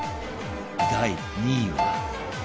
第２位は